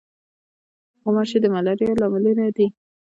غوماشې د ملاریا له لاملونو دي.